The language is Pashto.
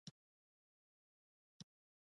چین د برښنايي موټرو په جوړولو کې مخکښ دی.